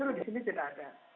dulu di sini tidak ada